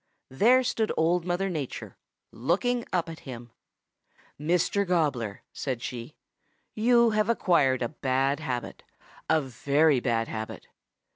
There stood Old Mother Nature, looking up at him. "'Mr. Gobbler,' said she, 'you have acquired a bad habit, a very bad habit.